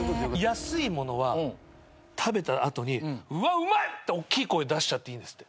安い物は食べた後に「うわうまい！」っておっきい声出しちゃっていいんですって。